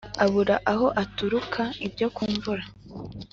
Abura aho aturuka ibyo kumvura